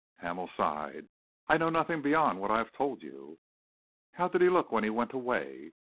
Hamel sighed. "I know nothing beyond what I have told you." "How did he look when he went away?"